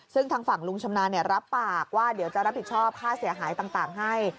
ซึ่งทางฝั่งลุงชำนาญรับปากว่าเดี๋ยวจะรับผิดชอบค่าเสียหายต่างให้